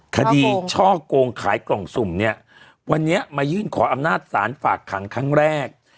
ช่อกงขายกล่องสุ่มเนี่ยวันนี้มายื่นขออำนาจศาลฝากขังครั้งแรก